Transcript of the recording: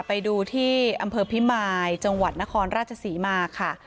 ไปดูที่อำเภอพิมายจังหวัดนครราชศรีมาค่ะ